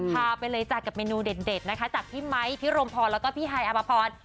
พาไปเลยจ้ะกับเมนูเด็ดนะคะจากพี่ไมค์พี่รมพรแล้วก็พี่ฮายอภพร